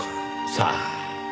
さあ。